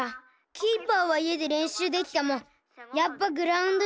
キーパーは家でれんしゅうできてもやっぱグラウンドじゃないと。